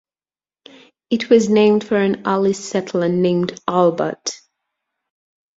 It was named for an early settler named Albert.